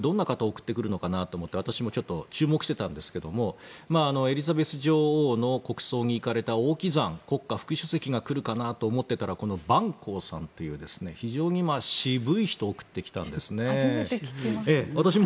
今回、中国、どんな方を送ってくるのかなと思って私も注目していたんですがエリザベス女王の国葬に行かれたオウ・キザン国家主席が来るかなと思っていたらバン・コウさんという人を送ってきたんですね。